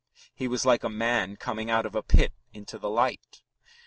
He was like a man coming out of a pit into the light.